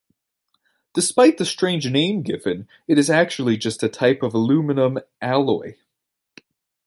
Despite the strange name given, it is actually just a type of aluminium alloy.